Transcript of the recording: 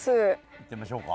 行ってみましょうか。